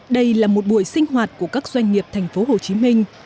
đây là một buổi sinh hoạt của các doanh nghiệp thành phố hồ chí minh